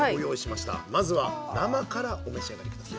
まずは生からお召し上がり下さい。